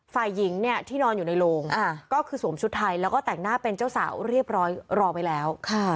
ฝ่ายหญิงเนี่ยที่นอนอยู่ในโรงก็คือสวมชุดไทยแล้วก็แต่งหน้าเป็นเจ้าสาวเรียบร้อยรอไปแล้ว